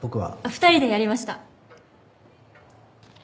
２人でやりました。